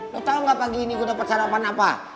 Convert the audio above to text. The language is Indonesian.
lo tau gak pagi ini gue dapet sarapan apa